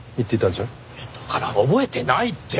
だから覚えてないって！